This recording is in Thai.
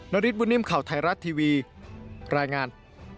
นริตวุณิ่มข่าวไทรัตร์ทีวีรายงาน